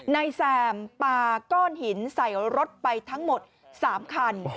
นายแซมปาก้อนหินใส่รถไปทั้งหมด๓คัน